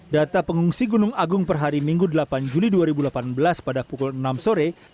data pengungsi gunung agung per hari minggu delapan juli dua ribu delapan belas pada pukul enam sore